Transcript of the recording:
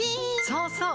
そうそう！